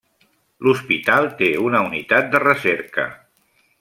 L'hospital té una unitat de recerca.